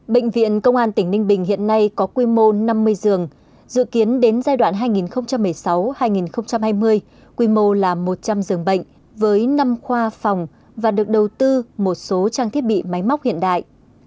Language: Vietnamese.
bệnh viện công an tỉnh ninh bình hiện nay có quy mô năm mươi giường dự kiến đến giai đoạn hai nghìn một mươi sáu hai nghìn hai mươi quy mô là một trăm linh giường bệnh với năm khoa phòng và được đầu tư một số trang thiết bị máy móc hiện đại